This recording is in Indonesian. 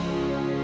terus haduh petra